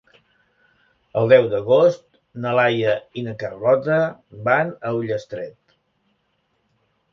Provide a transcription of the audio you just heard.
El deu d'agost na Laia i na Carlota van a Ullastret.